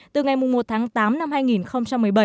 từ ngày một tháng tám năm hai nghìn một mươi bảy